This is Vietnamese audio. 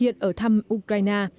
hiện ở thăm ukraine